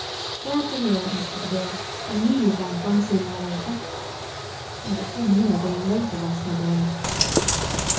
"Glad to hear it, Mr. DeVere. I knew you'd land one sooner or later." "Well, it came near being later, Russ, my boy."